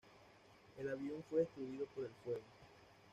El avión fue destruido por el fuego.